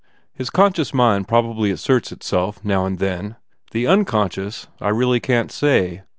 His conscious mind probably asserts itself, now and then. The un conscious I really can t say.